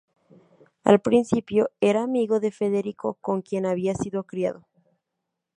Al principio, era amigo de Federico, con quien había sido criado.